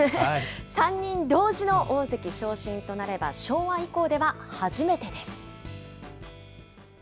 ３人同時の大関昇進となれば、昭和以降では初めてです。